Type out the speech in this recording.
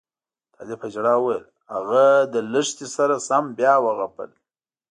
طالب په ژړا وویل هغه له لښتې سره سم بیا وغپل.